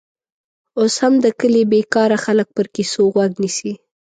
اوس هم د کلي بېکاره خلک پر کیسو غوږ نیسي.